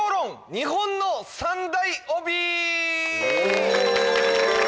日本の３大帯！